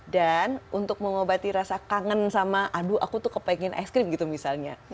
dan untuk mengobati rasa kangen sama aduh aku tuh kepingin es krim gitu misalnya